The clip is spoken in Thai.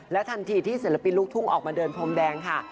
ทันทีที่ศิลปินลูกทุ่งออกมาเดินพรมแดงค่ะ